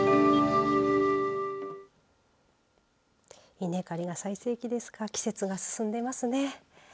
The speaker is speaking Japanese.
稲刈りが最盛期ですから季節が進んでいますね。